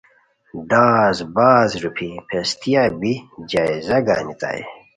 ڈاز باز روپھی پھیستیہ بی جائزہ گانیتائے